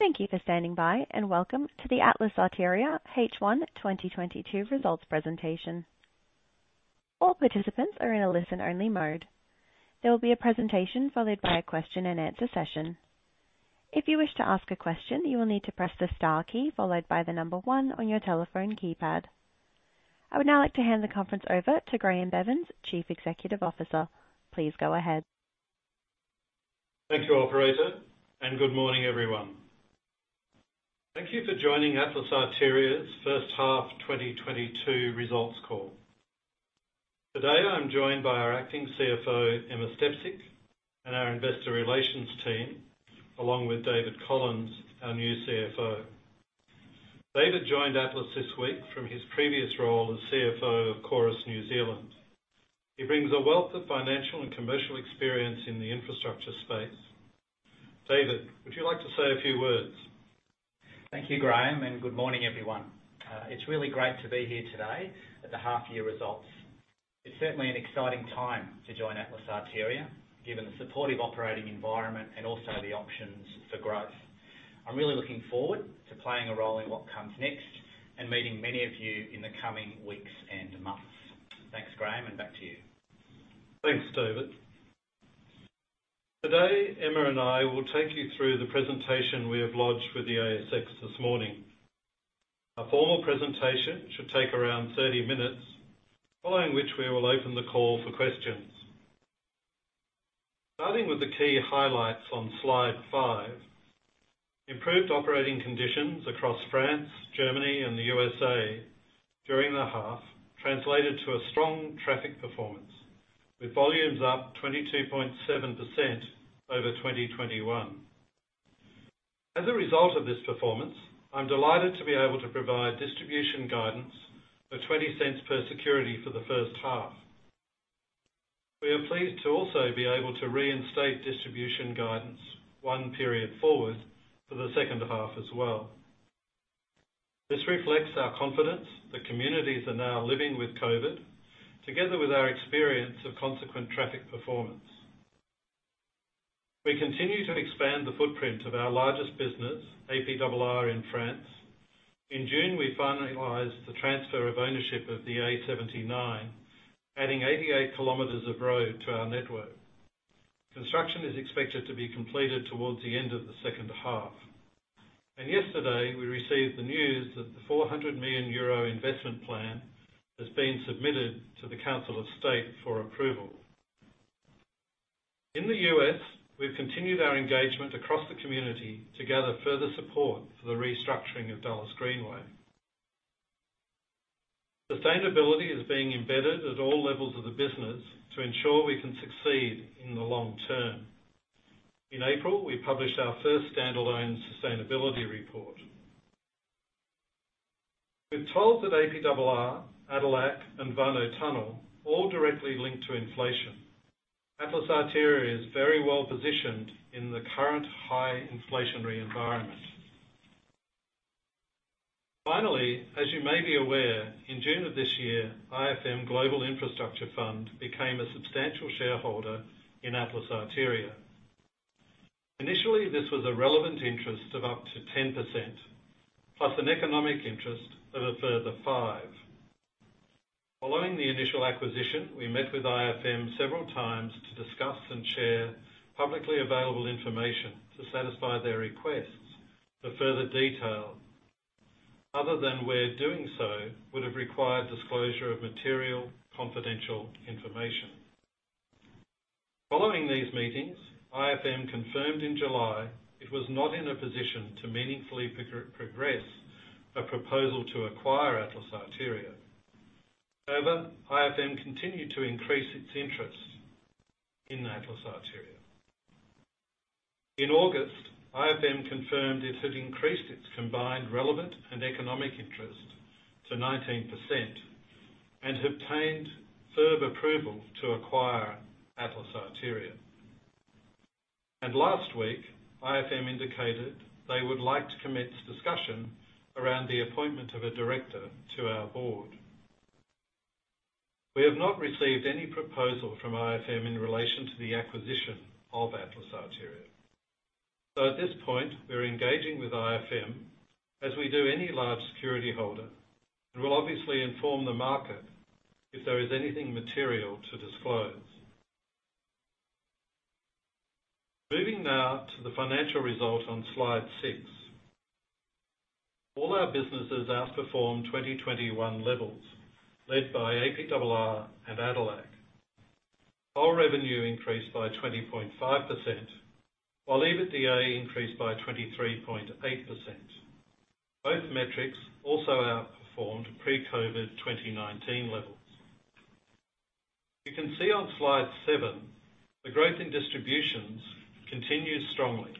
Thank you for standing by, and welcome to the Atlas Arteria H1 2022 Results presentation. All participants are in a listen-only mode. There will be a presentation followed by a question-and-answer session. If you wish to ask a question, you will need to press the star key followed by the number one on your telephone keypad. I would now like to hand the conference over to Graeme Bevans, Chief Executive Officer. Please go ahead. Thank you, operator, and good morning, everyone. Thank you for joining Atlas Arteria's first half 2022 results call. Today, I'm joined by our Acting CFO, Emma Stepcic, and our investor relations team, along with David Collins, our new CFO. David joined Atlas this week from his previous role as CFO of Chorus New Zealand. He brings a wealth of financial and commercial experience in the infrastructure space. David, would you like to say a few words? Thank you, Graeme, and good morning, everyone. It's really great to be here today at the half year results. It's certainly an exciting time to join Atlas Arteria, given the supportive operating environment and also the options for growth. I'm really looking forward to playing a role in what comes next and meeting many of you in the coming weeks and months. Thanks, Graeme, and back to you. Thanks, David. Today, Emma and I will take you through the presentation we have lodged with the ASX this morning. Our formal presentation should take around 30 minutes, following which we will open the call for questions. Starting with the key highlights on slide five, improved operating conditions across France, Germany, and the USA during the half translated to a strong traffic performance with volumes up 22.7% over 2021. As a result of this performance, I'm delighted to be able to provide distribution guidance of 0.20 per security for the first half. We are pleased to also be able to reinstate distribution guidance one period forward for the second half as well. This reflects our confidence that communities are now living with COVID, together with our experience of consequent traffic performance. We continue to expand the footprint of our largest business, APRR in France. In June, we finalized the transfer of ownership of the A79, adding 88 km of road to our network. Construction is expected to be completed towards the end of the second half. Yesterday, we received the news that the 400 million euro investment plan has been submitted to the Council of State for approval. In the U.S., we've continued our engagement across the community to gather further support for the restructuring of Dulles Greenway. Sustainability is being embedded at all levels of the business to ensure we can succeed in the long term. In April, we published our first standalone sustainability report. With tolls at APRR, ADELAC, and Warnow Tunnel all directly linked to inflation, Atlas Arteria is very well-positioned in the current high inflationary environment. Finally, as you may be aware, in June of this year, IFM Global Infrastructure Fund became a substantial shareholder in Atlas Arteria. Initially, this was a relevant interest of up to 10%, plus an economic interest of a further 5%. Following the initial acquisition, we met with IFM several times to discuss and share publicly available information to satisfy their requests for further detail, other than where doing so would have required disclosure of material confidential information. Following these meetings, IFM confirmed in July it was not in a position to meaningfully progress a proposal to acquire Atlas Arteria. However, IFM continued to increase its interest in Atlas Arteria. In August, IFM confirmed it had increased its combined relevant and economic interest to 19% and obtained further approval to acquire Atlas Arteria. Last week, IFM indicated they would like to commence discussion around the appointment of a director to our board. We have not received any proposal from IFM in relation to the acquisition of Atlas Arteria. At this point, we're engaging with IFM as we do any large security holder, and we'll obviously inform the market if there is anything material to disclose. Moving now to the financial result on slide six. All our businesses outperformed 2021 levels, led by APRR and ADELAC. Our revenue increased by 20.5%, while EBITDA increased by 23.8%. Both metrics also outperformed pre-COVID 2019 levels. You can see on slide seven the growth in distributions continues strongly.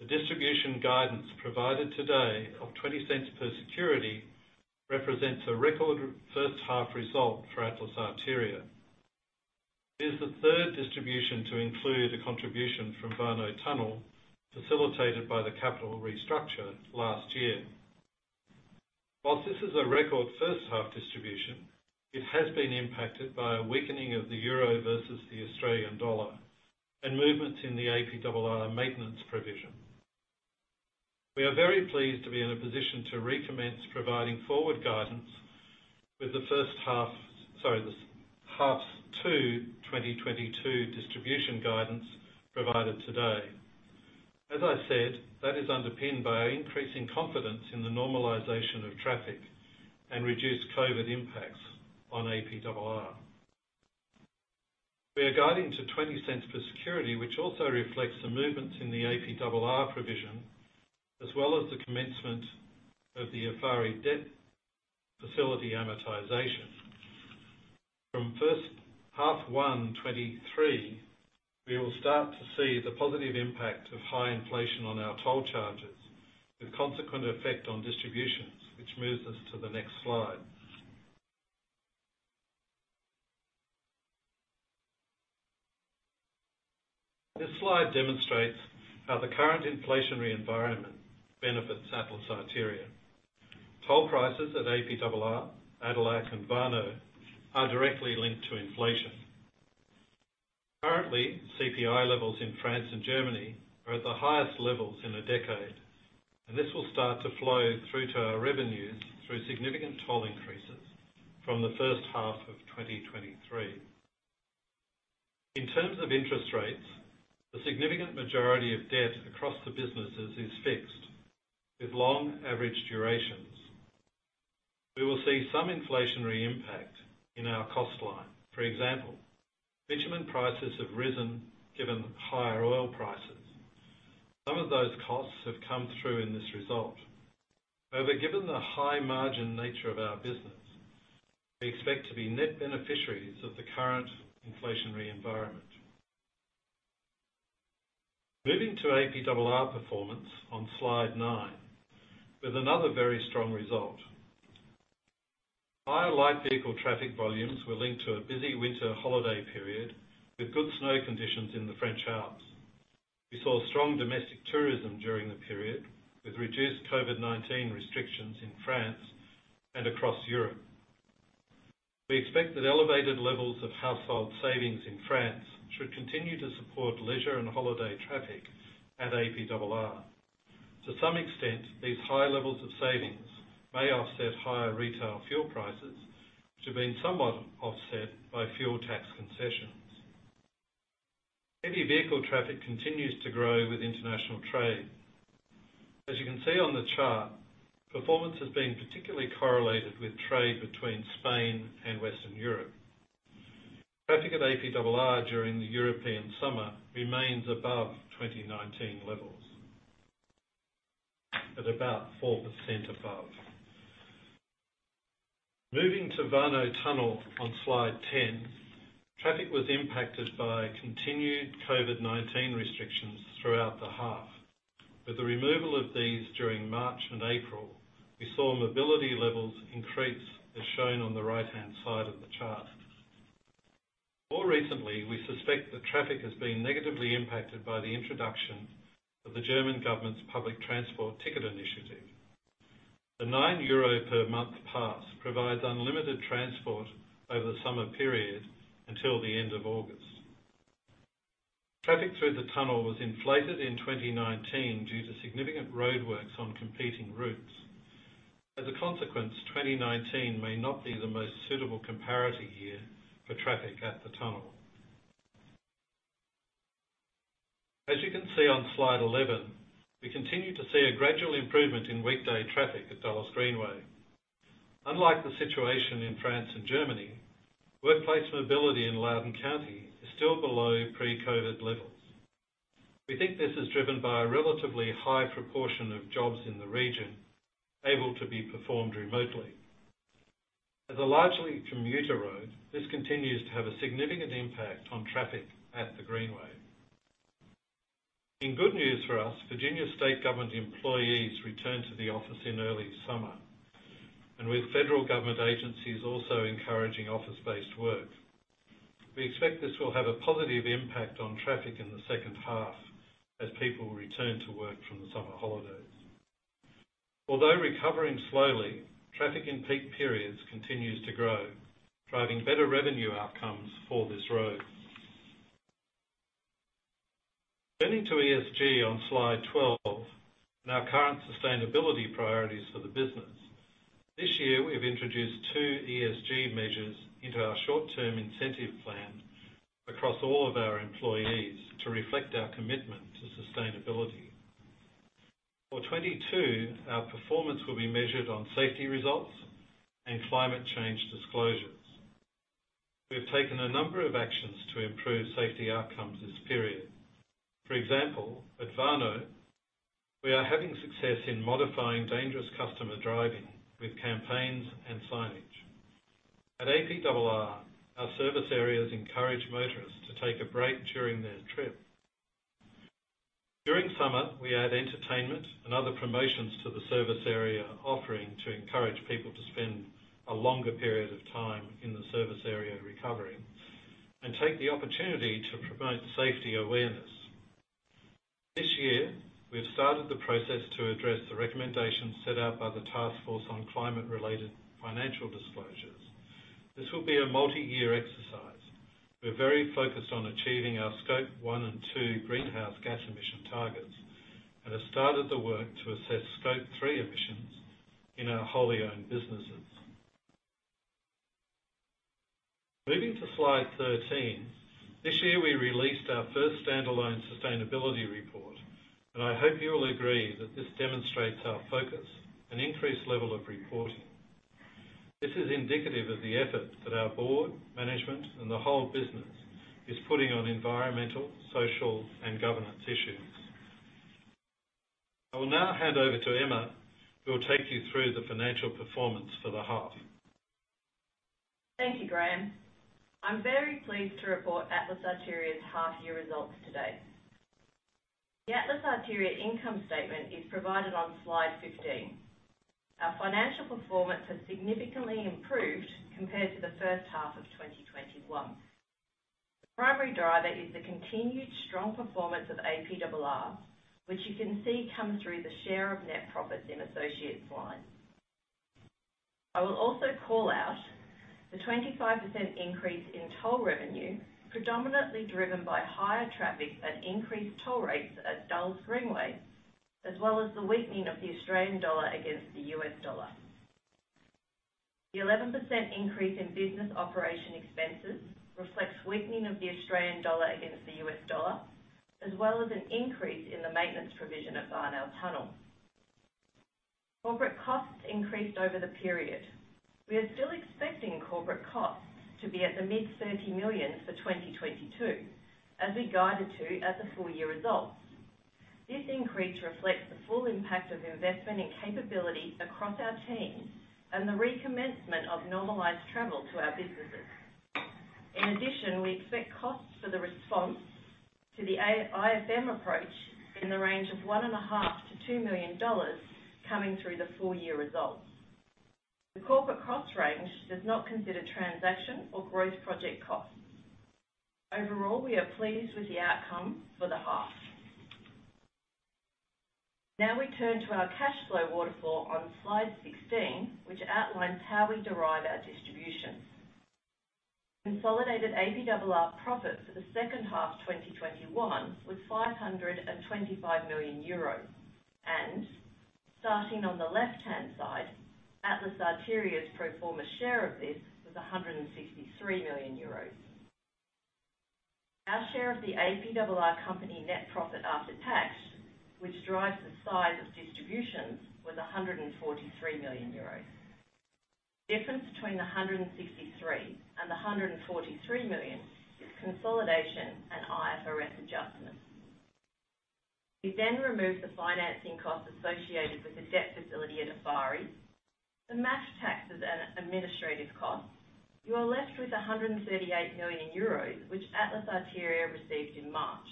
The distribution guidance provided today of 0.20 per security represents a record first half result for Atlas Arteria. It is the third distribution to include a contribution from Warnow Tunnel, facilitated by the capital restructure last year. While this is a record first half distribution, it has been impacted by a weakening of the euro versus the Australian dollar and movements in the APRR maintenance provision. We are very pleased to be in a position to recommence providing forward guidance the first half 2022 distribution guidance provided today. As I said, that is underpinned by our increasing confidence in the normalization of traffic and reduced COVID impacts on APRR. We are guiding to 0.20 per security, which also reflects the movements in the APRR provision, as well as the commencement of the Eiffarie debt facility amortization. From first half 2023, we will start to see the positive impact of high inflation on our toll charges with consequent effect on distributions, which moves us to the next slide. This slide demonstrates how the current inflationary environment benefits Atlas Arteria. Toll prices at APRR, ADELAC, and Warnow are directly linked to inflation. Currently, CPI levels in France and Germany are at the highest levels in a decade, and this will start to flow through to our revenues through significant toll increases from the first half of 2023. In terms of interest rates, the significant majority of debt across the businesses is fixed with long average durations. We will see some inflationary impact in our cost line. For example, bitumen prices have risen given higher oil prices. Some of those costs have come through in this result. However, given the high margin nature of our business, we expect to be net beneficiaries of the current inflationary environment. Moving to APRR performance on slide nine, with another very strong result. Higher light vehicle traffic volumes were linked to a busy winter holiday period with good snow conditions in the French Alps. We saw strong domestic tourism during the period, with reduced COVID-19 restrictions in France and across Europe. We expect that elevated levels of household savings in France should continue to support leisure and holiday traffic at APRR. To some extent, these high levels of savings may offset higher retail fuel prices, which have been somewhat offset by fuel tax concessions. Heavy vehicle traffic continues to grow with international trade. As you can see on the chart, performance has been particularly correlated with trade between Spain and Western Europe. Traffic at APRR during the European summer remains above 2019 levels at about 4% above. Moving to Warnow Tunnel on slide 10. Traffic was impacted by continued COVID-19 restrictions throughout the half. With the removal of these during March and April, we saw mobility levels increase, as shown on the right-hand side of the chart. More recently, we suspect that traffic has been negatively impacted by the introduction of the German government's public transport ticket initiative. The 9 euro per month pass provides unlimited transport over the summer period until the end of August. Traffic through the tunnel was inflated in 2019 due to significant roadworks on competing routes. As a consequence, 2019 may not be the most suitable comparative year for traffic at the tunnel. As you can see on slide 11, we continue to see a gradual improvement in weekday traffic at Dulles Greenway. Unlike the situation in France and Germany, workplace mobility in Loudoun County is still below pre-COVID levels. We think this is driven by a relatively high proportion of jobs in the region able to be performed remotely. As a largely commuter road, this continues to have a significant impact on traffic at the Greenway. In good news for us, Virginia State Government employees returned to the office in early summer, and with federal government agencies also encouraging office-based work, we expect this will have a positive impact on traffic in the second half as people return to work from the summer holidays. Although recovering slowly, traffic in peak periods continues to grow, driving better revenue outcomes for this road. Turning to ESG on slide 12 and our current sustainability priorities for the business. This year, we've introduced two ESG measures into our short-term incentive plan across all of our employees to reflect our commitment to sustainability. For 2022, our performance will be measured on safety results and climate change disclosures. We've taken a number of actions to improve safety outcomes this period. For example, at Warnow, we are having success in modifying dangerous customer driving with campaigns and signage. At APRR, our service areas encourage motorists to take a break during their trip. During summer, we add entertainment and other promotions to the service area offering to encourage people to spend a longer period of time in the service area recovering and take the opportunity to promote safety awareness. This year, we have started the process to address the recommendations set out by the Task Force on Climate-related Financial Disclosures. This will be a multi-year exercise. We're very focused on achieving our scope one and two greenhouse gas emission targets and have started the work to assess scope three emissions in our wholly owned businesses. Moving to slide 13. This year, we released our first standalone sustainability report, and I hope you will agree that this demonstrates our focus and increased level of reporting. This is indicative of the effort that our board, management, and the whole business is putting on environmental, social, and governance issues. I will now hand over to Emma, who will take you through the financial performance for the half. Thank you, Graeme. I'm very pleased to report Atlas Arteria's half year results today. The Atlas Arteria income statement is provided on slide 15. Our financial performance has significantly improved compared to the first half of 2021. The primary driver is the continued strong performance of APRR, which you can see come through the share of net profits in associates line. I will also call out the 25% increase in toll revenue, predominantly driven by higher traffic and increased toll rates at Dulles Greenway, as well as the weakening of the Australian dollar against the U.S. dollar. The 11% increase in business operation expenses reflects weakening of the Australian dollar against the U.S. dollar, as well as an increase in the maintenance provision at Warnow Tunnel. Corporate costs increased over the period. We are still expecting corporate costs to be at the mid-AUD 30 million for 2022, as we guided to at the full year results. This increase reflects the full impact of investment in capability across our teams and the recommencement of normalized travel to our businesses. In addition, we expect costs for the response to the IFM approach in the range of 1.5 million-2 million dollars coming through the full year results. The corporate cost range does not consider transaction or growth project costs. Overall, we are pleased with the outcome for the half. Now we turn to our cash flow waterfall on slide 16, which outlines how we derive our distributions. Consolidated APRR profit for the second half 2021 was 525 million euros. Starting on the left-hand side, Atlas Arteria's pro forma share of this was 163 million euros. Our share of the APRR company net profit after tax, which drives the size of distributions, was 143 million euros. The difference between the 163 and the 143 million is consolidation and IFRS adjustments. We then remove the financing costs associated with the debt facility at Eiffarie, the French taxes and administrative costs. You are left with 138 million euros, which Atlas Arteria received in March.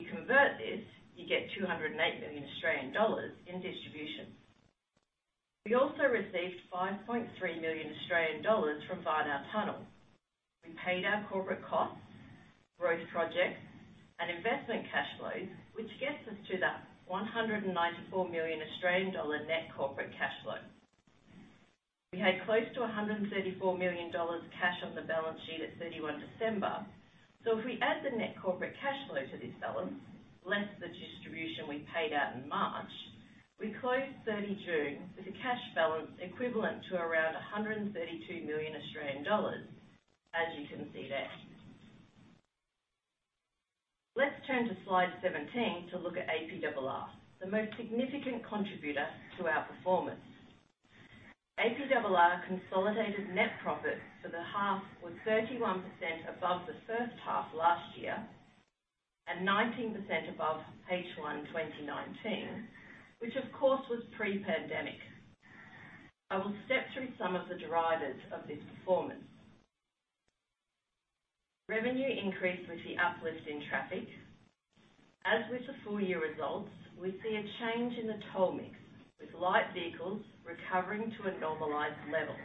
You convert this, you get 208 million Australian dollars in distribution. We also received 5.3 million Australian dollars from Warnow Tunnel. We paid our corporate costs, growth projects, and investment cash flows, which gets us to the 194 million Australian dollar net corporate cash flow. We had close to $134 million cash on the balance sheet at 31 December. If we add the net corporate cash flow to this balance, less the distribution we paid out in March, we closed 30 June with a cash balance equivalent to around 132 million Australian dollars, as you can see there. Let's turn to slide 17 to look at APRR, the most significant contributor to our performance. APRR consolidated net profits for the half were 31% above the first half last year and 19% above H1 2019, which of course, was pre-pandemic. I will step through some of the drivers of this performance. Revenue increase with the uplift in traffic. As with the full year results, we see a change in the toll mix, with light vehicles recovering to a normalized level.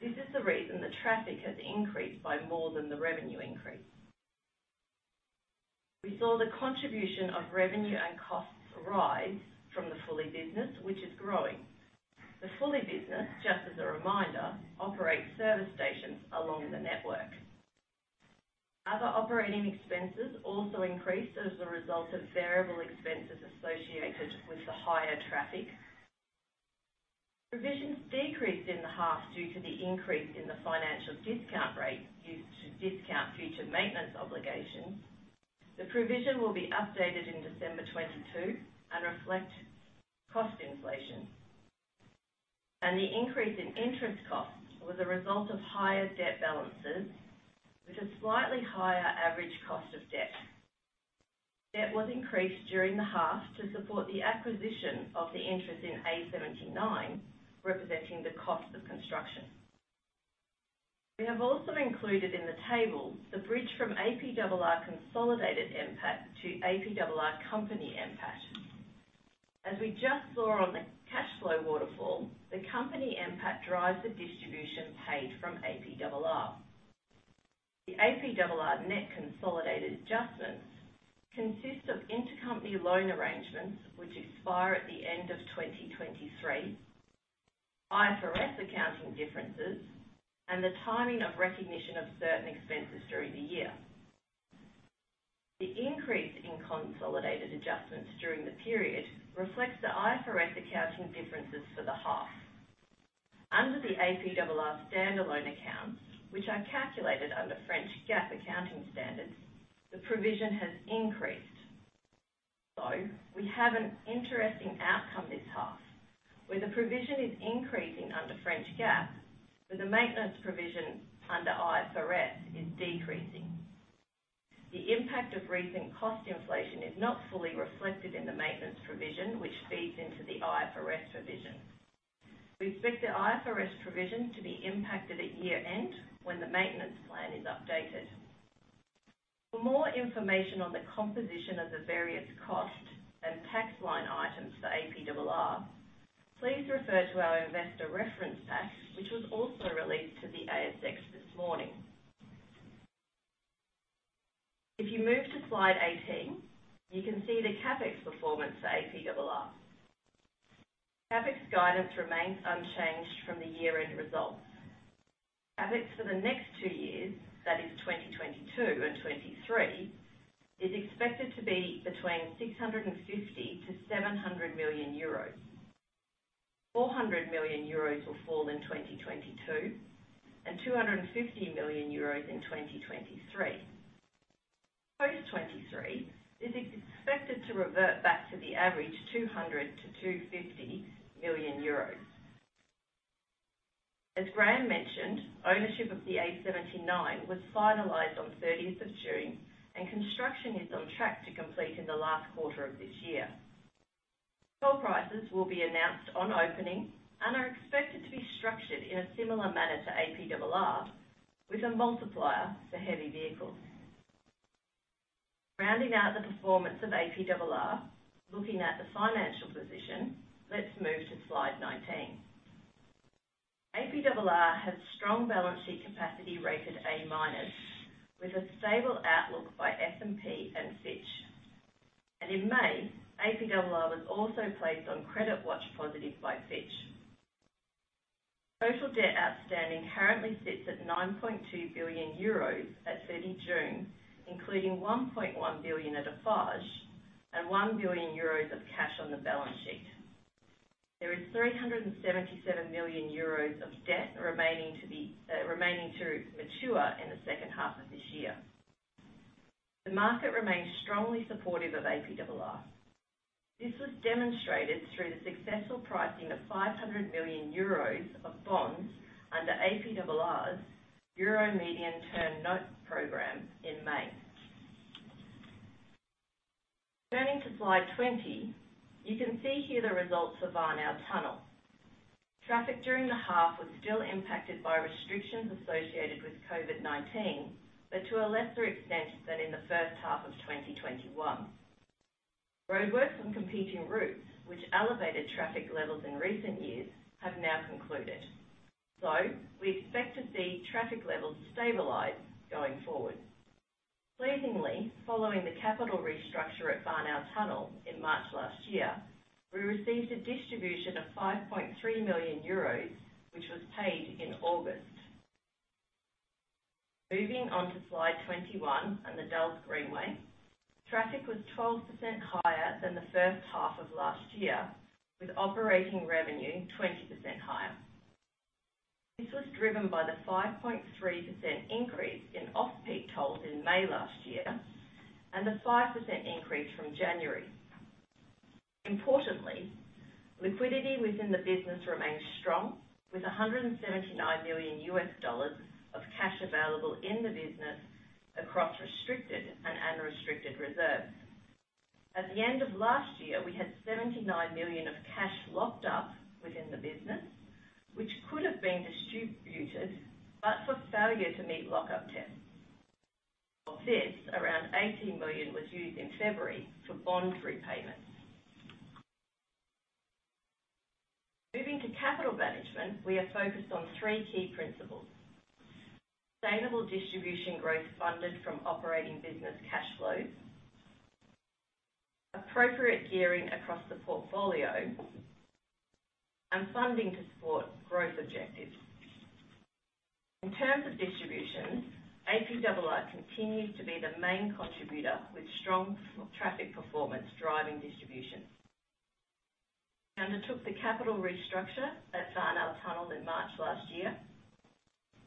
This is the reason the traffic has increased by more than the revenue increase. We saw the contribution of revenue and costs rise from the Fulli business, which is growing. The Fulli business, just as a reminder, operates service stations along the network. Other operating expenses also increased as a result of variable expenses associated with the higher traffic. Provisions decreased in the half due to the increase in the financial discount rate used to discount future maintenance obligations. The provision will be updated in December 2022 and reflect cost inflation. The increase in interest costs was a result of higher debt balances with a slightly higher average cost of debt. Debt was increased during the half to support the acquisition of the interest in A79, representing the cost of construction. We have also included in the table the bridge from APRR consolidated NPAT to APRR company NPAT. As we just saw on the cash flow waterfall, the company NPAT drives the distribution paid from APRR. The APRR net consolidated adjustments consist of intercompany loan arrangements, which expire at the end of 2023, IFRS accounting differences, and the timing of recognition of certain expenses during the year. The increase in consolidated adjustments during the period reflects the IFRS accounting differences for the half. Under the APRR standalone accounts, which are calculated under French GAAP accounting standards, the provision has increased. We have an interesting outcome this half, where the provision is increasing under French GAAP, but the maintenance provision under IFRS is decreasing. The impact of recent cost inflation is not fully reflected in the maintenance provision, which feeds into the IFRS provision. We expect the IFRS provision to be impacted at year-end when the maintenance plan is updated. For more information on the composition of the various costs and tax line items for APRR, please refer to our investor reference pack, which was also released to the ASX this morning. If you move to slide 18, you can see the CapEx performance for APRR. CapEx guidance remains unchanged from the year-end results. CapEx for the next two years, that is 2022 and 2023, is expected to be between 650 million-700 million euros. 400 million euros will fall in 2022 and 250 million euros in 2023. Post 2023, it is expected to revert back to the average 200 million-250 million euros. As Graeme mentioned, ownership of the A79 was finalized on 30th of June, and construction is on track to complete in the last quarter of this year. Toll prices will be announced on opening and are expected to be structured in a similar manner to APRR with a multiplier for heavy vehicles. Rounding out the performance of APRR, looking at the financial position, let's move to slide 19. APRR has strong balance sheet capacity rated A-minus, with a stable outlook by S&P and Fitch. In May, APRR was also placed on credit watch positive by Fitch. Total debt outstanding currently sits at 9.2 billion euros at 30 June, including 1.1 billion at Eiffage and 1 billion euros of cash on the balance sheet. There is 377 million euros of debt remaining to mature in the second half of this year. The market remains strongly supportive of APRR. This was demonstrated through the successful pricing of 500 million euros of bonds under APRR's Euro Medium-Term Note program in May. Turning to slide 20, you can see here the results of Warnow Tunnel. Traffic during the half was still impacted by restrictions associated with COVID-19, but to a lesser extent than in the first half of 2021. Roadworks on competing routes, which elevated traffic levels in recent years, have now concluded. We expect to see traffic levels stabilize going forward. Pleasingly, following the capital restructure at Warnow Tunnel in March last year, we received a distribution of 5.3 million euros, which was paid in August. Moving on to slide 21 and the Dulles Greenway. Traffic was 12% higher than the first half of last year, with operating revenue 20% higher. This was driven by the 5.3% increase in off-peak tolls in May last year and a 5% increase from January. Importantly, liquidity within the business remains strong, with $179 million of cash available in the business across restricted and unrestricted reserves. At the end of last year, we had $79 million of cash locked up within the business, which could have been distributed, but for failure to meet lockup tests. Of this, around $18 million was used in February for bond repayments. Moving to capital management, we are focused on three key principles, sustainable distribution growth funded from operating business cash flows, appropriate gearing across the portfolio, and funding to support growth objectives. In terms of distribution, APRR continues to be the main contributor, with strong traffic performance driving distribution. We undertook the capital restructure at Warnow Tunnel in March last year,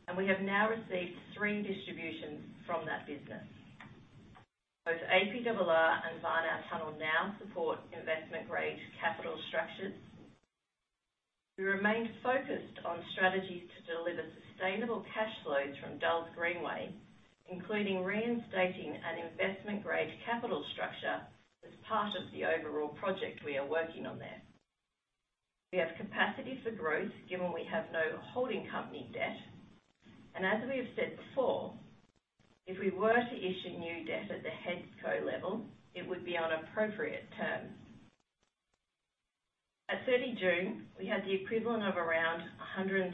and we have now received three distributions from that business. Both APRR and Warnow Tunnel now support investment-grade capital structures. We remain focused on strategies to deliver sustainable cash flows from Dulles Greenway, including reinstating an investment-grade capital structure as part of the overall project we are working on there. We have capacity for growth given we have no holding company debt. As we have said before, if we were to issue new debt at the headco level, it would be on appropriate terms. At 30 June, we had the equivalent of around 132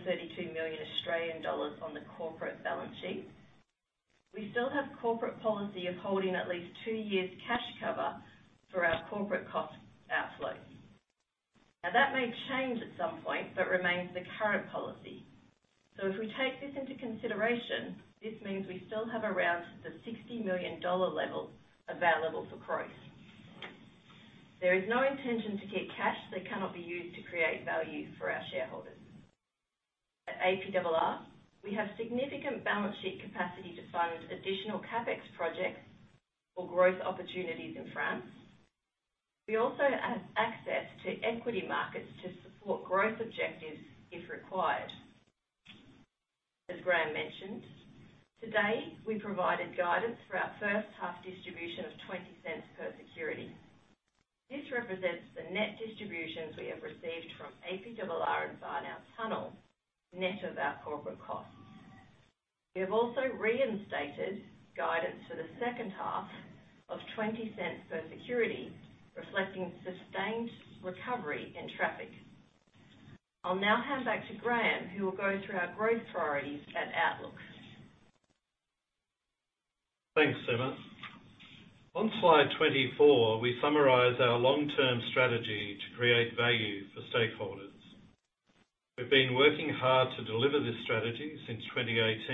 million Australian dollars on the corporate balance sheet. We still have corporate policy of holding at least two years cash cover for our corporate cost outflows. Now, that may change at some point, but remains the current policy. If we take this into consideration, this means we still have around the 60 million dollar level available for growth. There is no intention to keep cash that cannot be used to create value for our shareholders. At APRR, we have significant balance sheet capacity to fund additional CapEx projects or growth opportunities in France. We also have access to equity markets to support growth objectives if required. As Graeme mentioned, today, we provided guidance for our first half distribution of 0.20 per security. This represents the net distributions we have received from APRR and Warnow Tunnel net of our corporate costs. We have also reinstated guidance for the second half of 0.20 per security, reflecting sustained recovery in traffic. I'll now hand back to Graeme, who will go through our growth priorities and outlook. Thanks, Emma. On slide 24, we summarize our long-term strategy to create value for stakeholders. We've been working hard to deliver this strategy since 2018,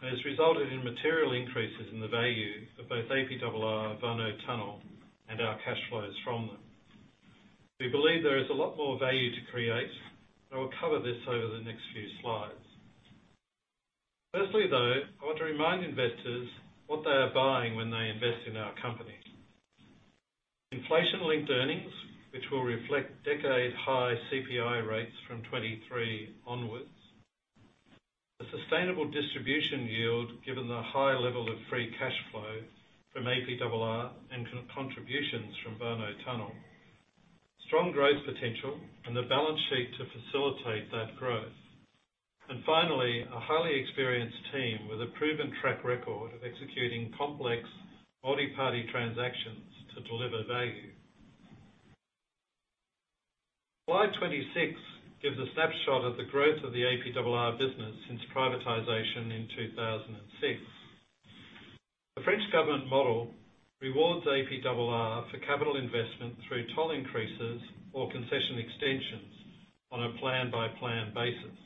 and it's resulted in material increases in the value of both APRR and Warnow Tunnel and our cash flows from them. We believe there is a lot more value to create, and we'll cover this over the next few slides. Firstly, though, I want to remind investors what they are buying when they invest in our company. Inflation-linked earnings, which will reflect decade-high CPI rates from 2023 onwards. A sustainable distribution yield given the high level of free cash flow from APRR and contributions from Warnow Tunnel. Strong growth potential and the balance sheet to facilitate that growth. And finally, a highly experienced team with a proven track record of executing complex multi-party transactions to deliver value. Slide 26 gives a snapshot of the growth of the APRR business since privatization in 2006. The French government model rewards APRR for capital investment through toll increases or concession extensions on a plan-by-plan basis.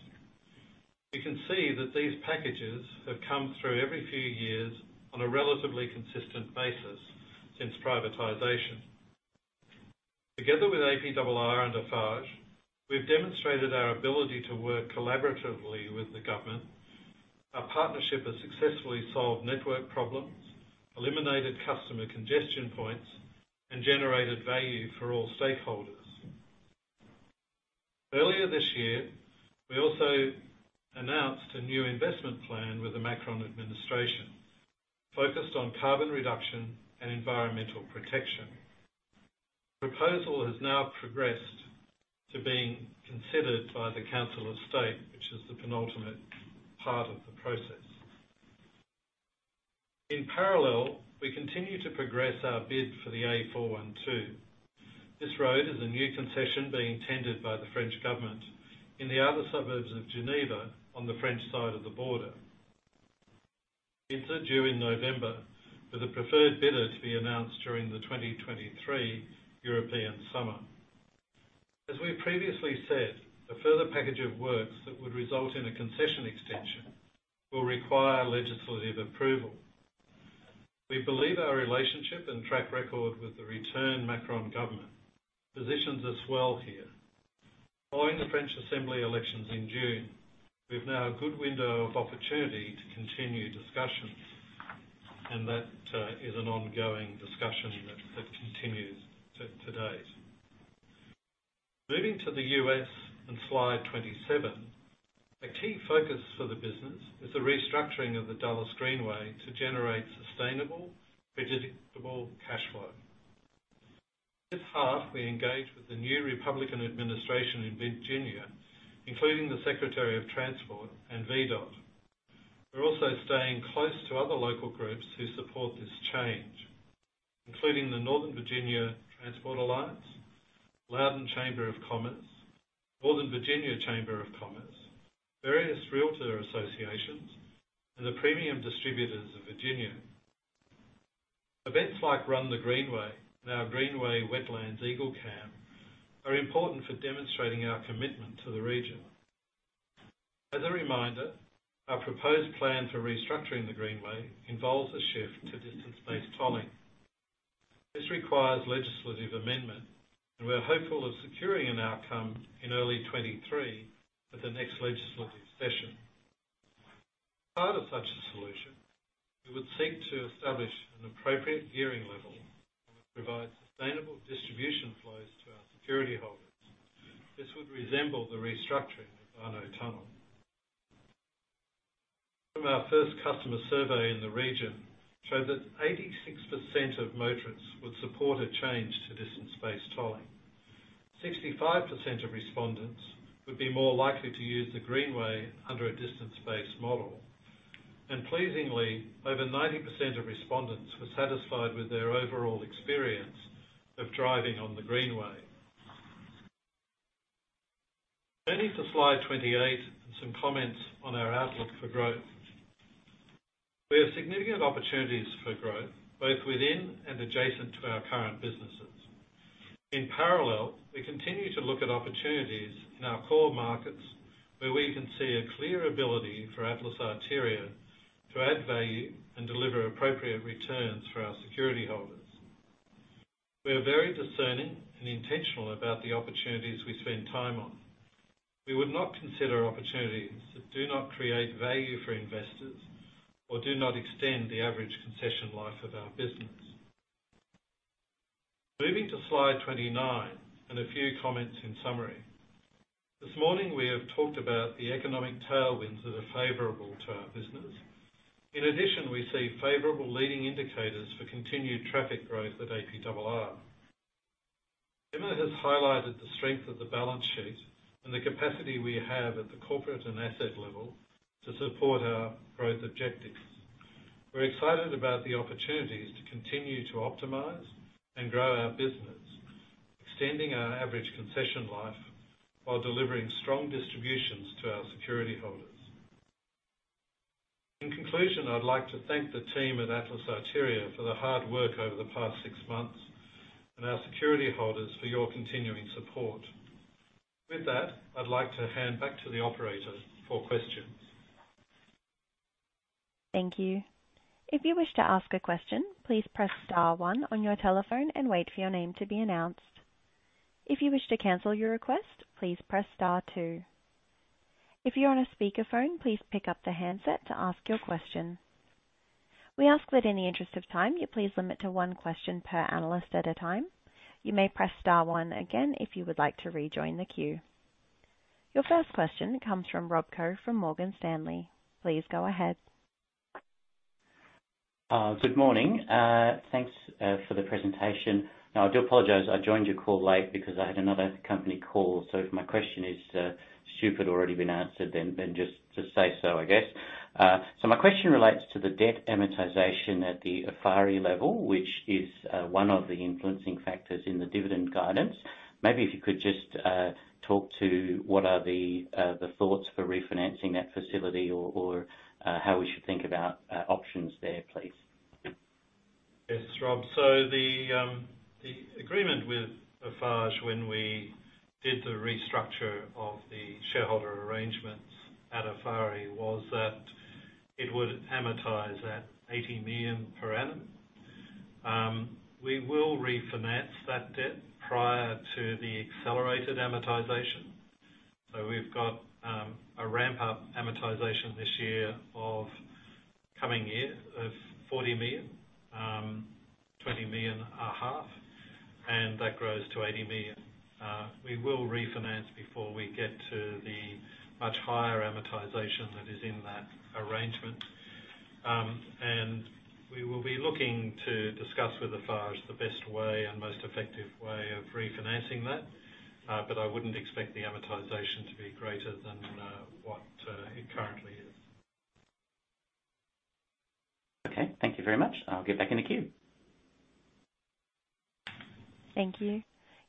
You can see that these packages have come through every few years on a relatively consistent basis since privatization. Together with APRR and Eiffage, we've demonstrated our ability to work collaboratively with the government. Our partnership has successfully solved network problems, eliminated customer congestion points, and generated value for all stakeholders. Earlier this year, we also announced a new investment plan with the Macron administration focused on carbon reduction and environmental protection. Proposal has now progressed to being considered by the Council of State, which is the penultimate part of the process. In parallel, we continue to progress our bid for the A41. This road is a new concession being tendered by the French government in the outer suburbs of Geneva on the French side of the border. Bids are due in November, with the preferred bidder to be announced during the 2023 European summer. As we previously said, the further package of works that would result in a concession extension will require legislative approval. We believe our relationship and track record with the returned Macron government positions us well here. Following the French Assembly elections in June, we've now a good window of opportunity to continue discussions, and that is an ongoing discussion that continues to today. Moving to the U.S. on slide 27, a key focus for the business is the restructuring of the Dulles Greenway to generate sustainable, predictable cash flow. This half, we engaged with the new Republican administration in Virginia, including the Secretary of Transportation and VDOT. We're also staying close to other local groups who support this change, including the Northern Virginia Transportation Alliance, Loudoun County Chamber of Commerce, Northern Virginia Chamber of Commerce, various realtor associations, and the Premium Distributors of Virginia. Events like Run the Greenway and our Greenway Wetlands Eagle Cam are important for demonstrating our commitment to the region. As a reminder, our proposed plan for restructuring the Greenway involves a shift to distance-based tolling. This requires legislative amendment, and we're hopeful of securing an outcome in early 2023 at the next legislative session. As part of such a solution, we would seek to establish an appropriate gearing level and provide sustainable distribution flows to our security holders. This would resemble the restructuring of Warnow Tunnel. From our first customer survey in the region show that 86% of motorists would support a change to distance-based tolling. 65% of respondents would be more likely to use the Greenway under a distance-based model. Pleasingly, over 90% of respondents were satisfied with their overall experience of driving on the Greenway. Turning to slide 28 and some comments on our outlook for growth. We have significant opportunities for growth both within and adjacent to our current businesses. In parallel, we continue to look at opportunities in our core markets where we can see a clear ability for Atlas Arteria to add value and deliver appropriate returns for our security holders. We are very discerning and intentional about the opportunities we spend time on. We would not consider opportunities that do not create value for investors or do not extend the average concession life of our business. Moving to slide 29 and a few comments in summary. This morning we have talked about the economic tailwinds that are favorable to our business. In addition, we see favorable leading indicators for continued traffic growth at APRR. Emma has highlighted the strength of the balance sheet and the capacity we have at the corporate and asset level to support our growth objectives. We're excited about the opportunities to continue to optimize and grow our business, extending our average concession life while delivering strong distributions to our security holders. In conclusion, I'd like to thank the team at Atlas Arteria for the hard work over the past six months and our security holders for your continuing support. With that, I'd like to hand back to the operator for questions. Thank you. If you wish to ask a question, please press star one on your telephone and wait for your name to be announced. If you wish to cancel your request, please press star two. If you're on a speakerphone, please pick up the handset to ask your question. We ask that in the interest of time, you please limit to one question per analyst at a time. You may press star one again if you would like to rejoin the queue. Your first question comes from Rob Koh from Morgan Stanley. Please go ahead. Good morning. Thanks for the presentation. Now, I do apologize, I joined your call late because I had another company call. If my question is stupid or already been answered then just to say so, I guess. My question relates to the debt amortization at the Financière Eiffarie level, which is one of the influencing factors in the dividend guidance. Maybe if you could just talk to what are the thoughts for refinancing that facility or how we should think about options there, please. Yes, Rob. The agreement with Eiffage when we did the restructure of the shareholder arrangements at Financière Eiffarie was that it would amortize at 80 million per annum. We will refinance that debt prior to the accelerated amortization. We've got a ramp-up amortization this year and coming year of 40 million, 20 million and a half, and that grows to 80 million. We will refinance before we get to the much higher amortization that is in that arrangement. We will be looking to discuss with Eiffage the best way and most effective way of refinancing that. I wouldn't expect the amortization to be greater than what it currently is. Okay. Thank you very much. I'll get back in the queue. Thank you.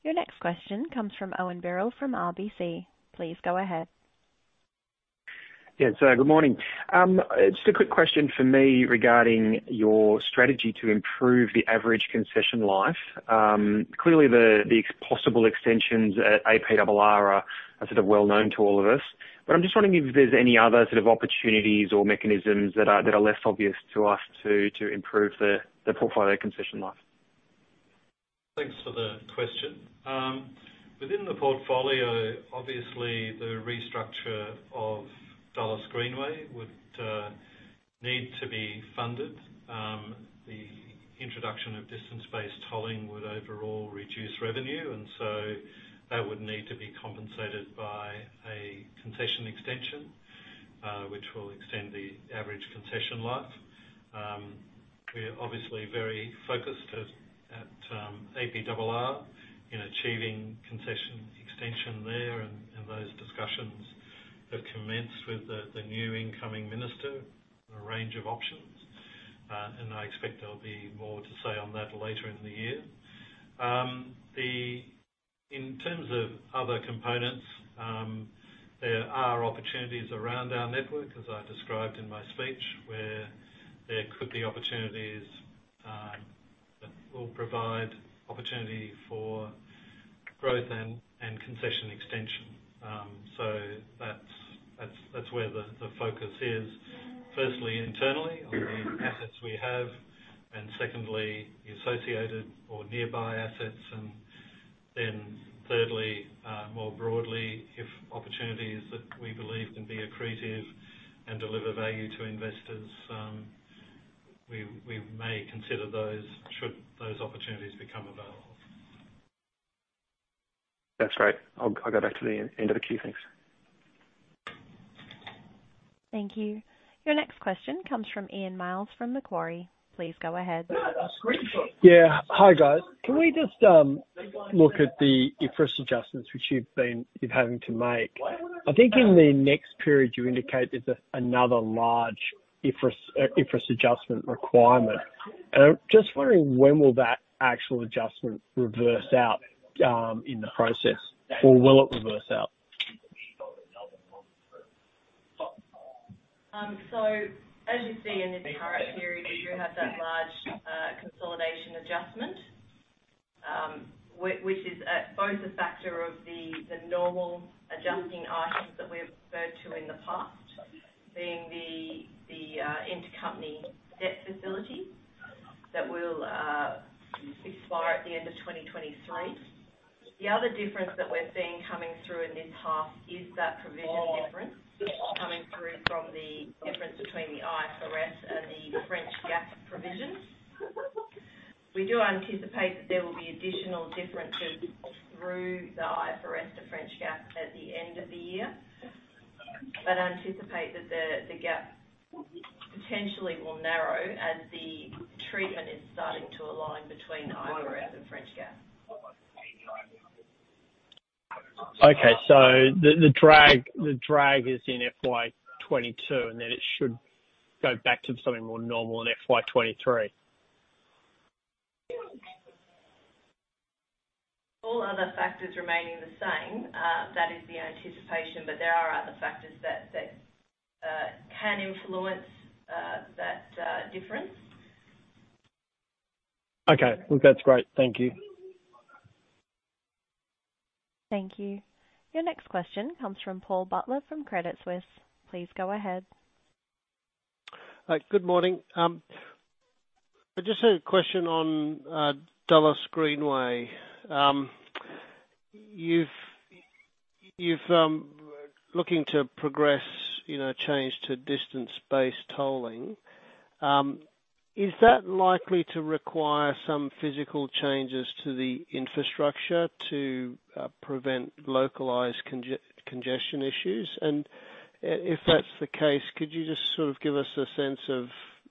Your next question comes from Owen Birrell from RBC. Please go ahead. Yeah. Good morning. Just a quick question for me regarding your strategy to improve the average concession life. Clearly the possible extensions at APRR are sort of well known to all of us. I'm just wondering if there's any other sort of opportunities or mechanisms that are less obvious to us to improve the portfolio concession life. Thanks for the question. Within the portfolio, obviously the restructure of Dulles Greenway would need to be funded. The introduction of distance-based tolling would overall reduce revenue, and so that would need to be compensated by a concession extension, which will extend the average concession life. We are obviously very focused at APRR in achieving concession extension there and those discussions have commenced with the new incoming minister on a range of options. I expect there'll be more to say on that later in the year. In terms of other components, there are opportunities around our network, as I described in my speech, where there could be opportunities that will provide opportunity for growth and concession extension. That's where the focus is. Firstly, internally on the assets we have, and secondly, the associated or nearby assets. Thirdly, more broadly, if opportunities that we believe can be accretive and deliver value to investors, we may consider those should those opportunities become available. That's great. I'll go back to the end of the queue. Thanks. Thank you. Your next question comes from Ian Myles from Macquarie. Please go ahead. Yeah. Hi, guys. Can we just look at the IFRS adjustments which you've been, you're having to make? I think in the next period, you indicate there's another large IFRS adjustment requirement. I'm just wondering when will that actual adjustment reverse out in the process or will it reverse out? As you see in the current period, you have that large consolidation adjustment, which is both a factor of the intercompany debt facility that will expire at the end of 2023. The other difference that we're seeing coming through in this half is that provision difference coming through from the difference between the IFRS and the French GAAP provisions. We do anticipate that there will be additional differences through the IFRS to French GAAP at the end of the year, but anticipate that the gap potentially will narrow as the treatment is starting to align between IFRS and French GAAP. The drag is in FY 2022, and then it should go back to something more normal in FY 2023. All other factors remaining the same, that is the anticipation, but there are other factors that can influence that difference. Okay. Look, that's great. Thank you. Thank you. Your next question comes from Paul Butler from Credit Suisse. Please go ahead. Good morning. I just had a question on Dulles Greenway. You've looking to progress, you know, change to distance-based tolling. Is that likely to require some physical changes to the infrastructure to prevent localized congestion issues? If that's the case, could you just sort of give us a sense of,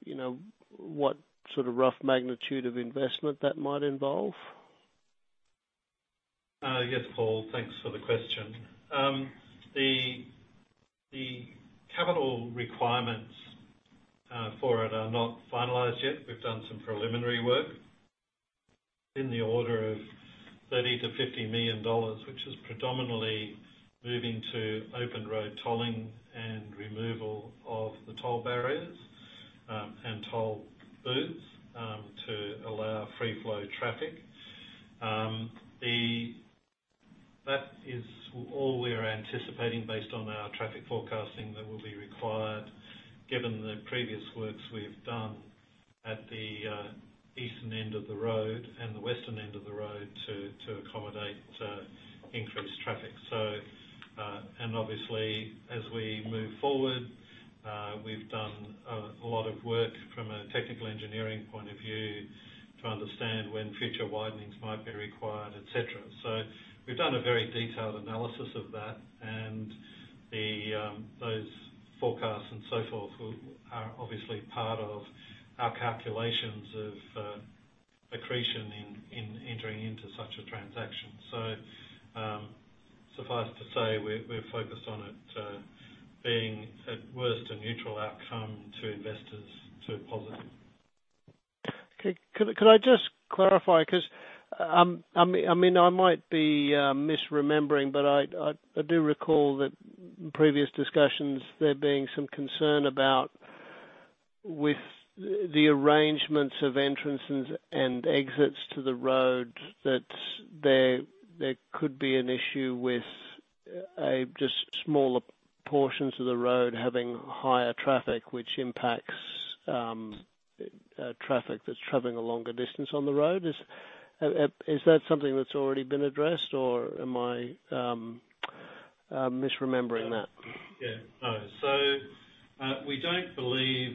you know, what sort of rough magnitude of investment that might involve? Yes, Paul. Thanks for the question. The capital requirements for it are not finalized yet. We've done some preliminary work in the order of $30 million-$50 million, which is predominantly moving to Open Road Tolling and removal of the toll barriers and toll booths to allow free flow traffic. That is all we are anticipating based on our traffic forecasting that will be required, given the previous works we've done at the eastern end of the road and the western end of the road to accommodate increased traffic. Obviously, as we move forward, we've done a lot of work from a technical engineering point of view to understand when future widenings might be required, et cetera. We've done a very detailed analysis of that, and those forecasts and so forth were obviously part of our calculations of accretion in entering into such a transaction. Suffice to say, we're focused on it being at worst a neutral outcome to investors to positive. Okay. Could I just clarify? 'Cause, I mean, I might be misremembering, but I do recall that in previous discussions there being some concern with the arrangements of entrances and exits to the road, that there could be an issue with just smaller portions of the road having higher traffic which impacts traffic that's traveling a longer distance on the road. Is that something that's already been addressed, or am I misremembering that? Yeah. No. We don't believe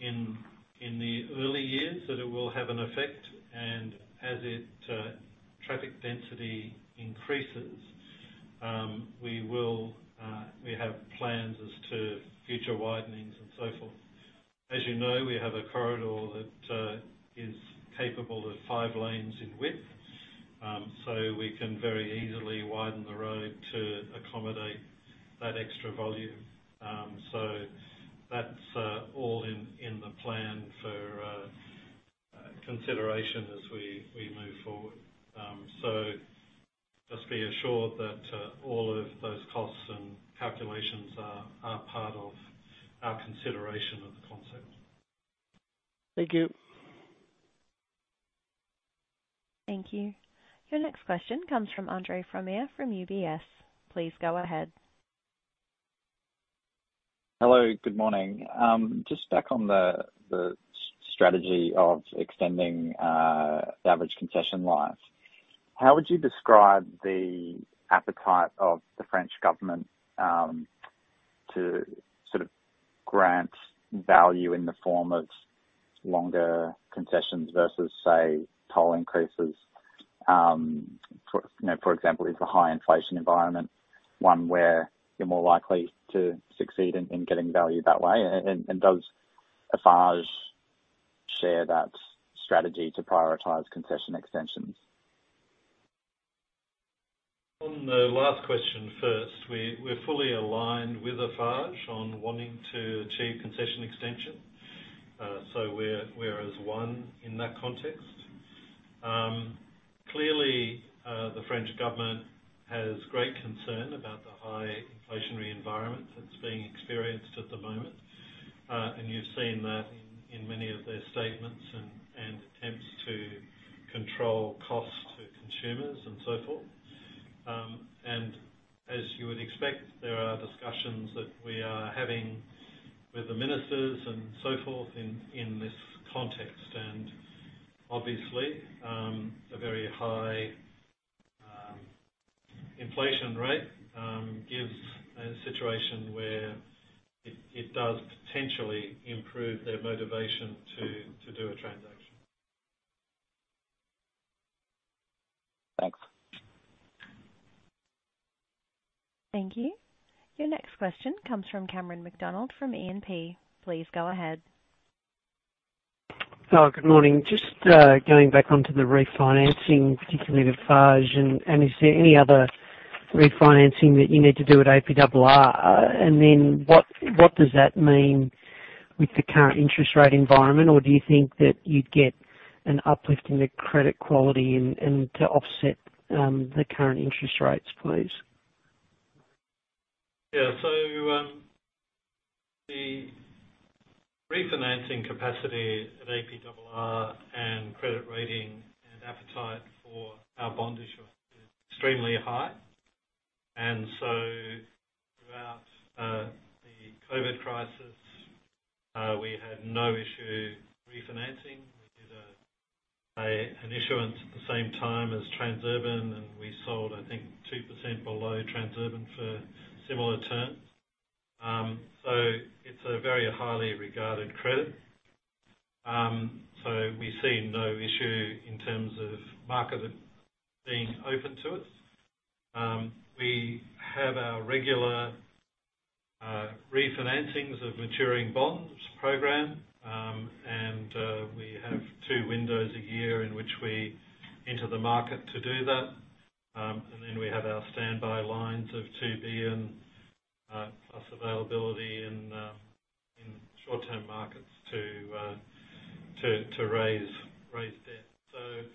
in the early years that it will have an effect. As the traffic density increases, we have plans as to future widenings and so forth. As you know, we have a corridor that is capable of five lanes in width, so we can very easily widen the road to accommodate that extra volume. That's all in the plan for consideration as we move forward. Just be assured that all of those costs and calculations are part of our consideration of the concept. Thank you. Thank you. Your next question comes from Andre Fromyhr from UBS. Please go ahead. Hello, good morning. Just back on the strategy of extending the average concession life. How would you describe the appetite of the French government to sort of grant value in the form of longer concessions versus, say, toll increases. You know, for example, is the high inflation environment one where you're more likely to succeed in getting value that way? And does Eiffage share that strategy to prioritize concession extensions? On the last question first, we're fully aligned with Eiffage on wanting to achieve concession extension. We're as one in that context. Clearly, the French government has great concern about the high inflationary environment that's being experienced at the moment. You've seen that in many of their statements and attempts to control costs to consumers and so forth. As you would expect, there are discussions that we are having with the ministers and so forth in this context. Obviously, a very high inflation rate gives a situation where it does potentially improve their motivation to do a transaction. Thanks. Thank you. Your next question comes from Cameron McDonald from E&P. Please go ahead. Hello, good morning. Just going back onto the refinancing, particularly with Eiffage. Is there any other refinancing that you need to do at APRR? What does that mean with the current interest rate environment? Or do you think that you'd get an uplift in the credit quality and to offset the current interest rates, please? Yeah. The refinancing capacity at APRR and credit rating and appetite for our bond issue is extremely high. Throughout the COVID crisis, we had no issue refinancing. We did an issuance at the same time as Transurban, and we sold, I think 2% below Transurban for similar terms. It's a very highly regarded credit. We see no issue in terms of market being open to us. We have our regular refinancings of maturing bonds program. We have two windows a year in which we enter the market to do that. We have our standby lines of 2 billion plus availability in short-term markets to raise debt.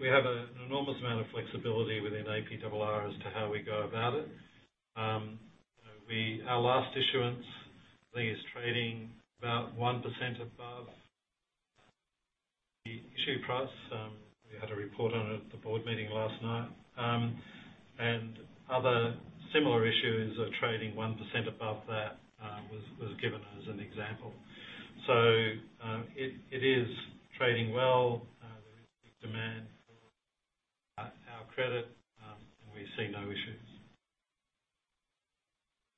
We have an enormous amount of flexibility within APRR as to how we go about it. Our last issuance, I think, is trading about 1% above the issue price. We had a report on it at the board meeting last night. Other similar issues are trading 1% above that was given as an example. It is trading well. There is big demand for our credit. We see no issues.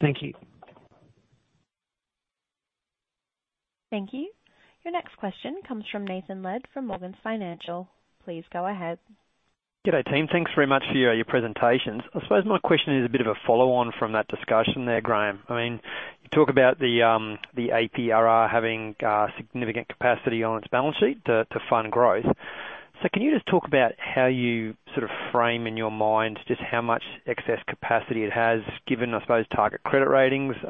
Thank you. Thank you. Your next question comes from Nathan Lead from Morgans Financial. Please go ahead. G'day, team. Thanks very much for your presentations. I suppose my question is a bit of a follow on from that discussion there, Graeme. I mean, you talk about the APRR having significant capacity on its balance sheet to fund growth. Can you just talk about how you sort of frame in your mind just how much excess capacity it has given, I suppose, target credit ratings? You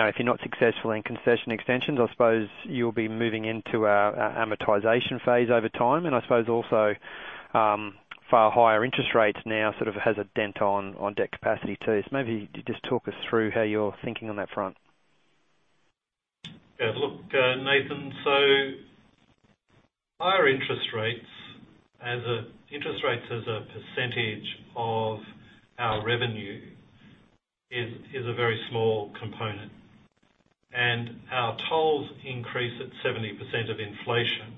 know, if you're not successful in concession extensions, I suppose you'll be moving into a amortization phase over time. I suppose also, far higher interest rates now sort of has a dent on debt capacity too. Maybe you just talk us through how you're thinking on that front. Yeah. Look, Nathan, higher interest rates as a percentage of our revenue is a very small component. Our tolls increase at 70% of inflation.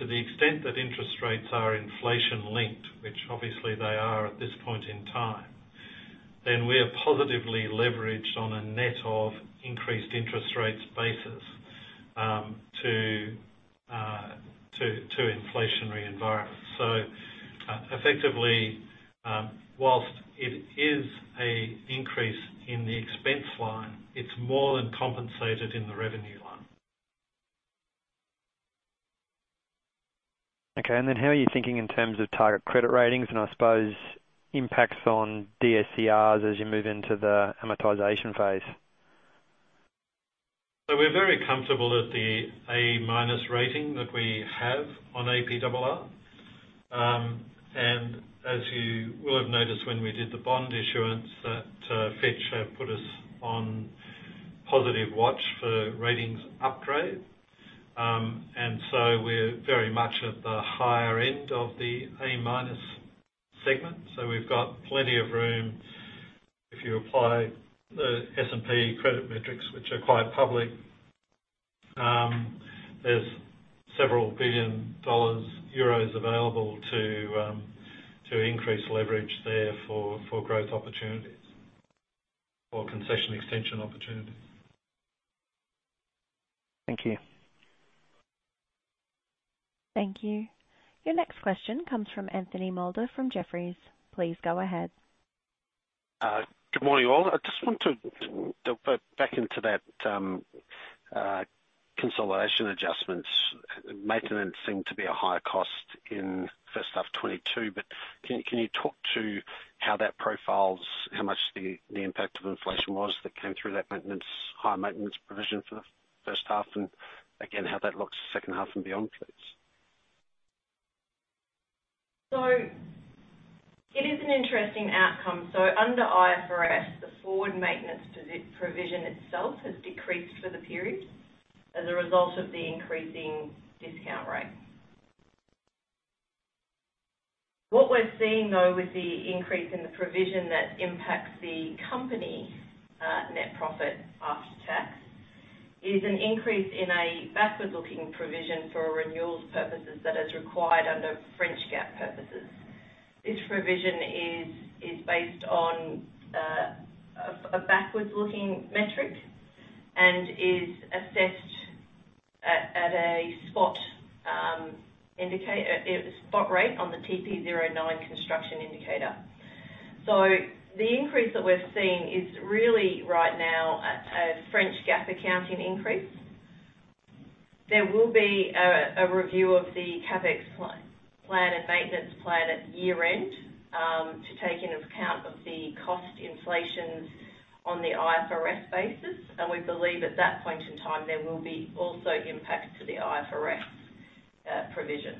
To the extent that interest rates are inflation linked, which obviously they are at this point in time, then we are positively leveraged on a net of increased interest rates basis to inflationary environments. Effectively, whilst it is an increase in the expense line, it's more than compensated in the revenue line. Okay. How are you thinking in terms of target credit ratings and I suppose impacts on DSCRs as you move into the amortization phase? We're very comfortable at the A- rating that we have on APRR. As you will have noticed when we did the bond issuance that Fitch have put us on positive watch for ratings upgrade. We're very much at the higher end of the A- segment. We've got plenty of room if you apply the S&P credit metrics, which are quite public. There's several billion euros available to increase leverage there for growth opportunities or concession extension opportunities. Thank you. Thank you. Your next question comes from Anthony Moulder from Jefferies. Please go ahead. Good morning, all. I just want to dive back into that consolidation adjustments. Maintenance seem to be a higher cost in first half 2022, but can you talk to how that profiles, how much the impact of inflation was that came through that maintenance, high maintenance provision for the first half, and again, how that looks the second half and beyond, please? It is an interesting outcome. Under IFRS, the forward maintenance provision itself has decreased for the period as a result of the increasing discount rate. What we're seeing, though, with the increase in the provision that impacts the company, net profit after tax is an increase in a backward-looking provision for renewals purposes that is required under French GAAP purposes. This provision is based on a backward-looking metric and is assessed at a spot rate on the TP09 construction indicator. The increase that we're seeing is really right now a French GAAP accounting increase. There will be a review of the CapEx plan and maintenance plan at year-end, to take into account of the cost inflations on the IFRS basis, and we believe at that point in time, there will be also impacts to the IFRS provision.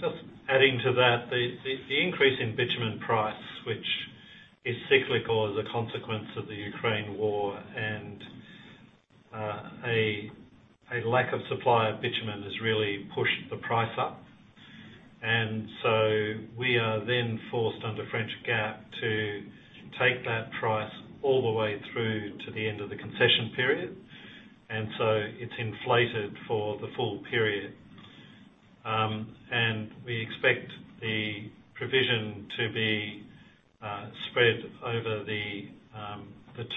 Just adding to that, the increase in bitumen price, which is cyclical as a consequence of the Ukraine war and a lack of supply of bitumen has really pushed the price up. We are then forced under French GAAP to take that price all the way through to the end of the concession period. It's inflated for the full period. We expect the provision to be spread over the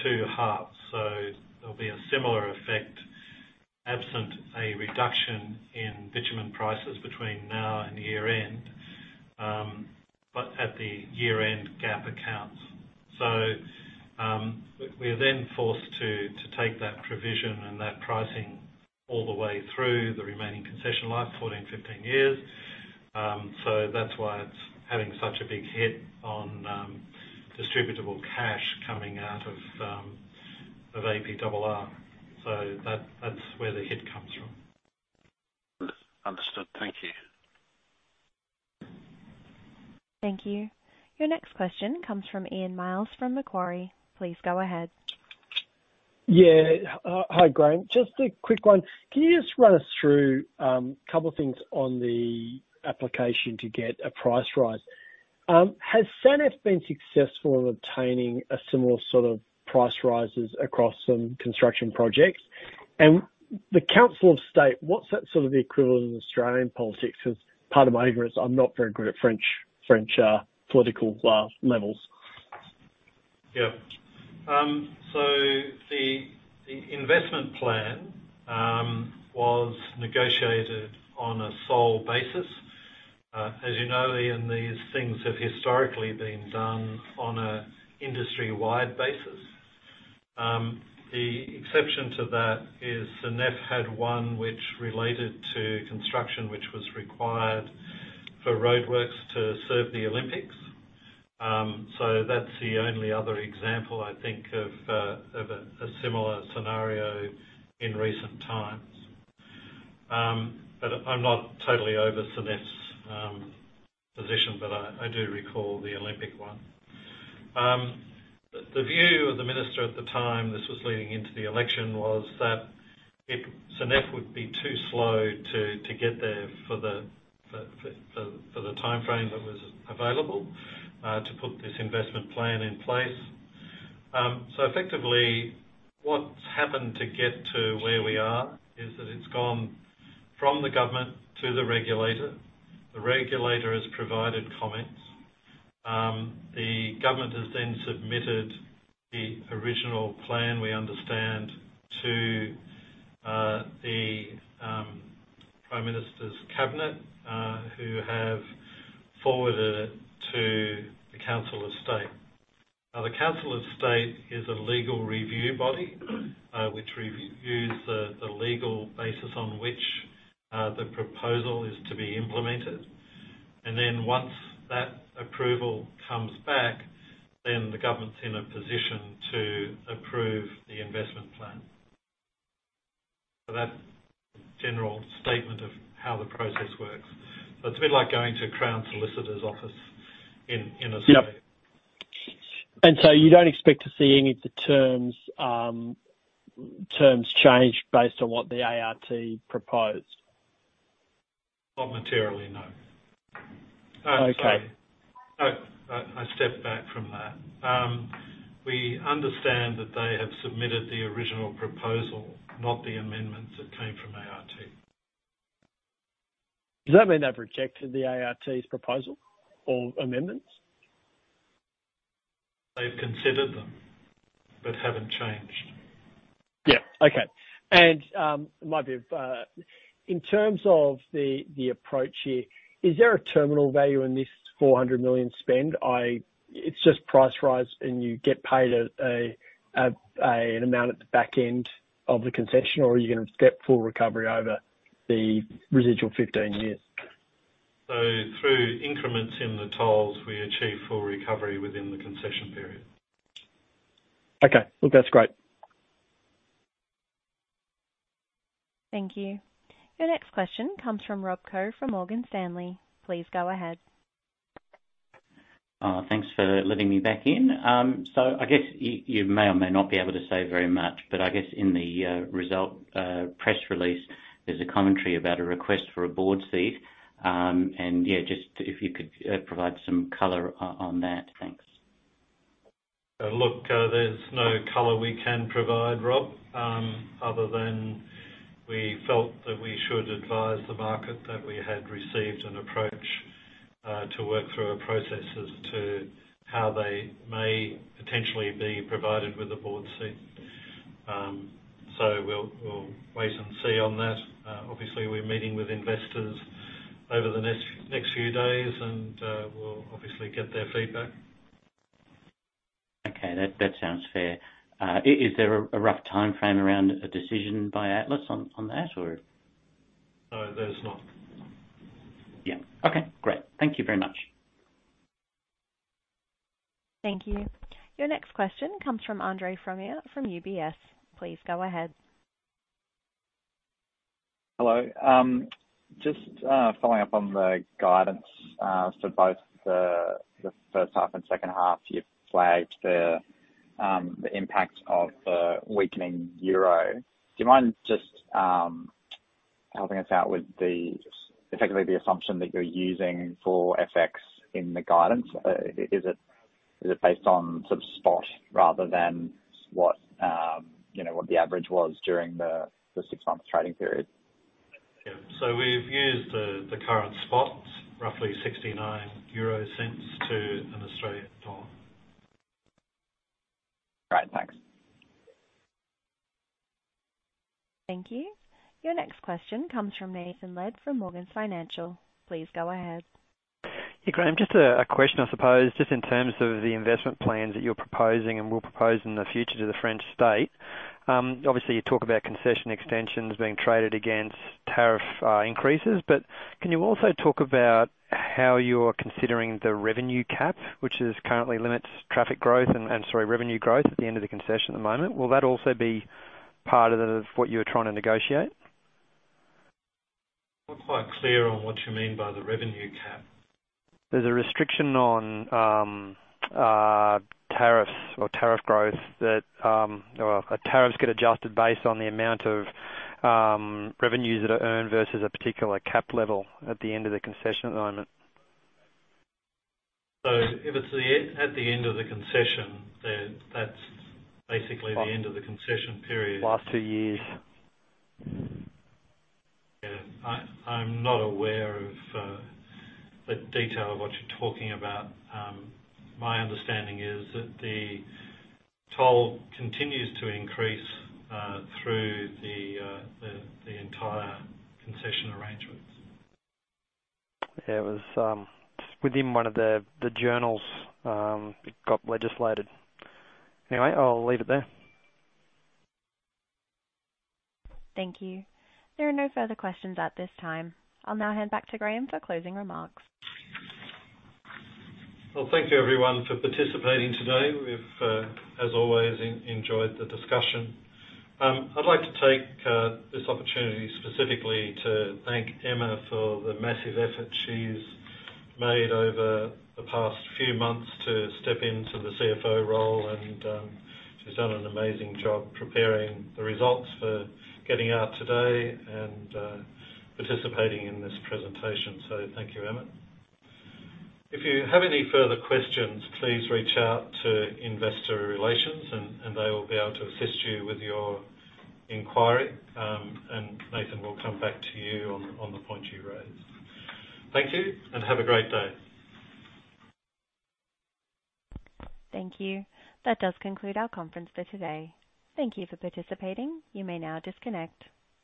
two halves. There'll be a similar effect absent a reduction in bitumen prices between now and year-end, but at the year-end GAAP accounts. We are then forced to take that provision and that pricing all the way through the remaining concession life, 14-15 years. That's why it's having such a big hit on distributable cash coming out of APRR. That's where the hit comes from. Understood. Thank you. Thank you. Your next question comes from Ian Myles from Macquarie. Please go ahead. Yeah. Hi, Graeme. Just a quick one. Can you just run us through a couple of things on the application to get a price rise? Has Sanef been successful in obtaining a similar sort of price rises across some construction projects? The Conseil d'État, what's that sort of the equivalent of Australian politics? 'Cause part of my ignorance, I'm not very good at French political levels. The investment plan was negotiated on a sole basis. As you know, Ian, these things have historically been done on an industry-wide basis. The exception to that is Sanef had one which related to construction, which was required for roadworks to serve the Olympics. That's the only other example I think of a similar scenario in recent times. I'm not totally over Sanef's position, but I do recall the Olympic one. The view of the minister at the time, this was leading into the election, was that Sanef would be too slow to get there for the timeframe that was available to put this investment plan in place. Effectively what's happened to get to where we are is that it's gone from the government to the regulator. The regulator has provided comments. The government has then submitted the original plan, we understand, to the prime minister's cabinet, who have forwarded it to the Conseil d'État. Now, the Conseil d'État is a legal review body, which reviews the legal basis on which the proposal is to be implemented. Once that approval comes back, then the government's in a position to approve the investment plan. That's a general statement of how the process works. It's a bit like going to Crown Solicitor's office in a way. Yep. You don't expect to see any of the terms change based on what the ART proposed? Not materially, no. Okay. Sorry. No, I stepped back from that. We understand that they have submitted the original proposal, not the amendments that came from ART. Does that mean they've rejected the ART's proposal or amendments? They've considered them, but haven't changed. Yeah. Okay. In terms of the approach here, is there a terminal value in this 400 million spend? It's just price rise, and you get paid an amount at the back end of the concession, or are you gonna get full recovery over the residual 15 years? through increments in the tolls, we achieve full recovery within the concession period. Okay. Look, that's great. Thank you. Your next question comes from Rob Koh from Morgan Stanley. Please go ahead. Thanks for letting me back in. I guess you may or may not be able to say very much, but I guess in the results press release, there's a commentary about a request for a board seat. Yeah, just if you could provide some color on that. Thanks. Look, there's no color we can provide, Rob, other than we felt that we should advise the market that we had received an approach to work through our processes to how they may potentially be provided with a board seat. We'll wait and see on that. Obviously, we're meeting with investors over the next few days, and we'll obviously get their feedback. Okay. That sounds fair. Is there a rough timeframe around a decision by Atlas on that or? No, there's not. Yeah. Okay, great. Thank you very much. Thank you. Your next question comes from Andre Fromyhr from UBS. Please go ahead. Hello. Just following up on the guidance, both the first half and second half, you flagged the impact of the weakening euro. Do you mind just helping us out with effectively the assumption that you're using for FX in the guidance? Is it based on sort of spot rather than what you know what the average was during the six months trading period? Yeah. We've used the current spot, roughly 0.69 to AUD 1. Great. Thanks. Thank you. Your next question comes from Nathan Lead from Morgans Financial. Please go ahead. Yeah, Graeme, just a question I suppose, just in terms of the investment plans that you're proposing and will propose in the future to the French state. Obviously you talk about concession extensions being traded against tariff increases, but can you also talk about how you're considering the revenue cap, which currently limits traffic growth and revenue growth at the end of the concession at the moment. Will that also be part of what you're trying to negotiate? Not quite clear on what you mean by the revenue cap. There's a restriction on tariffs or tariff growth, or tariffs get adjusted based on the amount of revenues that are earned versus a particular cap level at the end of the concession at the moment. If it's the end, at the end of the concession, then that's basically the end of the concession period. Last two years. Yeah. I'm not aware of the detail of what you're talking about. My understanding is that the toll continues to increase through the entire concession arrangements. Yeah, it was just within one of the journals, it got legislated. Anyway, I'll leave it there. Thank you. There are no further questions at this time. I'll now hand back to Graeme for closing remarks. Well, thank you everyone for participating today. We've, as always, enjoyed the discussion. I'd like to take this opportunity specifically to thank Emma for the massive effort she's made over the past few months to step into the CFO role and she's done an amazing job preparing the results for getting out today and participating in this presentation. So thank you, Emma. If you have any further questions, please reach out to investor relations and they will be able to assist you with your inquiry. Nathan, we'll come back to you on the point you raised. Thank you, and have a great day. Thank you. That does conclude our conference for today. Thank you for participating. You may now disconnect.